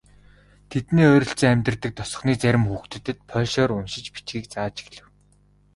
Тэдний ойролцоо амьдардаг тосгоны зарим хүүхдүүдэд польшоор уншиж бичихийг зааж эхлэв.